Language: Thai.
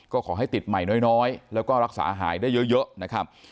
ก็ขอให้ติดใหม่น้อยแล้วก็รักษาหายได้เยอะนะครับ